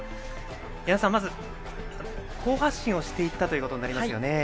矢野さん、好発進をしていったことになりますよね。